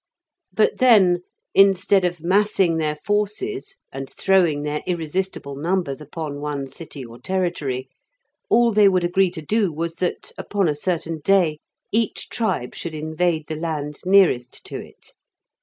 But, then, instead of massing their forces and throwing their irresistible numbers upon one city or territory, all they would agree to do was that, upon a certain day, each tribe should invade the land nearest to it.